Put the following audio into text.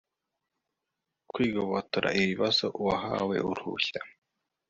kwigobotora ibibazo uwahawe uruhushya